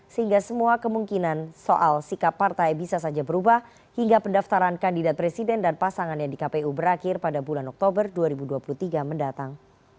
sehingga semua kemungkinan soal sikap partai bisa saja berubah hingga pendaftaran kandidat presiden dan pasangannya di kpu berakhir pada bulan oktober dua ribu dua puluh tiga mendatang